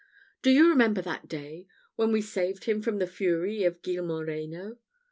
Do you remember that day, when we saved him from the fury of Gil Moreno?